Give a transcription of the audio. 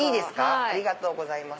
ありがとうございます。